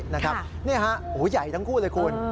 นี่ฮะใหญ่ทั้งคู่เลยคุณ